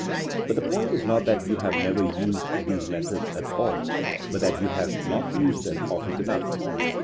But the point is not that you have never used these metiiods at all, but that you have not used them often enough.